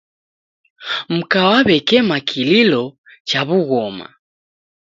Mka wakema kililo cha w'ughoma